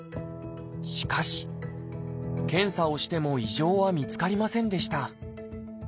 しかし検査をしても異常は見つかりませんでした。